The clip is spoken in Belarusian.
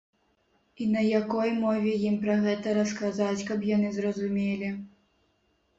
І на якой мове ім пра гэта расказаць, каб яны зразумелі?